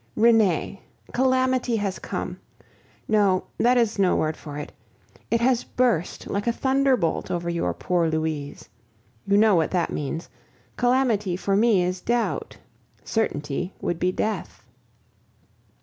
Renee, calamity has come no, that is no word for it it has burst like a thunderbolt over your poor Louise. You know what that means; calamity for me is doubt; certainty would be death.